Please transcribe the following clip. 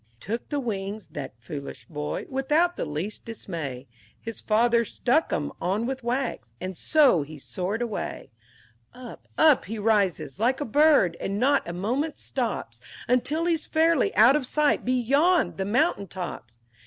IX He took the wings that foolish boy without the least dismay; His father stuck 'em on with wax, and so he soared away; Up, up he rises, like a bird, and not a moment stops Until he's fairly out of sight beyond the mountain tops!